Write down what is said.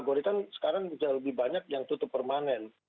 kan sekarang sudah lebih banyak yang tutup permanen